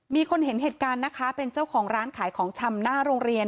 มีคนเห็นเหตุการณ์นะคะเป็นเจ้าของร้านขายของชำหน้าโรงเรียน